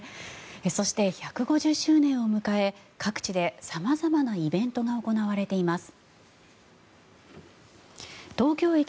そして、１５０周年を迎え各地で様々なイベントが行われています。